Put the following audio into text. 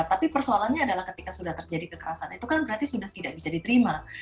tapi persoalannya adalah ketika sudah terjadi kekerasan itu kan berarti sudah tidak bisa diterima